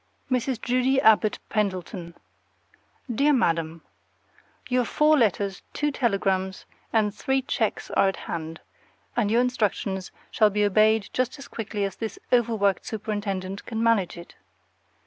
MRS. JUDY ABBOTT PENDLETON, Dear Madam: Your four letters, two telegrams, and three checks are at hand, and your instructions shall be obeyed just as quickly as this overworked superintendent can manage it.